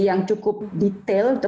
yang cukup detail